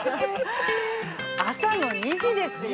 ◆朝の２時ですよ。